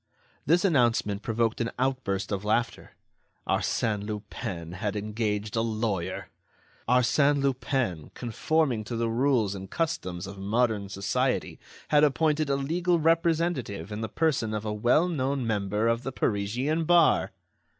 This announcement provoked an outburst of laughter. Arsène Lupin had engaged a lawyer! Arsène Lupin, conforming to the rules and customs of modern society, had appointed a legal representative in the person of a well known member of the Parisian bar!